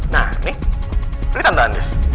nah ini tante andis